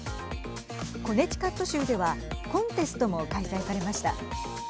コネチカット州ではコンテストも開催されました。